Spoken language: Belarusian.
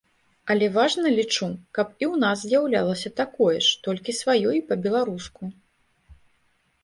Але важна, лічу, каб і ў нас з'яўлялася такое ж толькі сваё і па-беларуску.